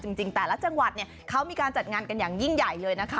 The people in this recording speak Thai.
จริงแต่ละจังหวัดมีการจัดงานกันอย่างยิ่งใหญ่นะคะ